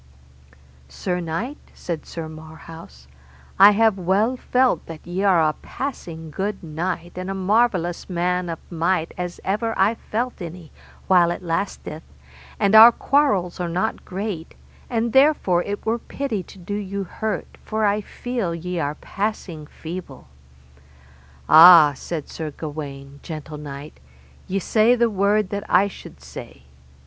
Sir knight, said Sir Marhaus, I have well felt that ye are a passing good knight and a marvellous man of might as ever I felt any, while it lasteth, and our quarrels are not great, and therefore it were pity to do you hurt, for I feel ye are passing feeble. Ah, said Sir Gawaine, gentle knight, ye say the word that I should say.